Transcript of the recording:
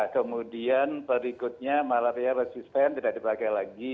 kemudian berikutnya malaria resisten tidak dipakai lagi